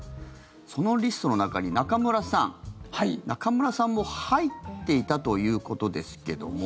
そのリストの中に、中村さん中村さんも入っていたということですけども。